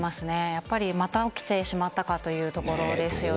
やっぱり、また起きてしまったかというところですね。